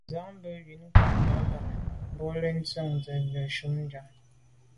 Ndiagbin ywîd ngɔ̂nɑ̀ bɑhɑ kà, mbolə, ntswənsi nə̀ jú chànŋ.